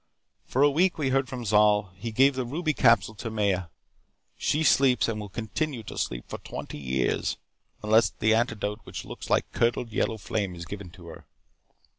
"For a week we heard from Zol. He gave the ruby capsule to Maya. She sleeps and will continue to sleep for twenty years unless the antidote which looks like curdled yellow flame is given to her.